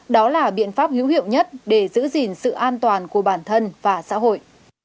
đó là biện pháp hữu hiệu nhất để giữ gìn sự an toàn của bản thân và xã hội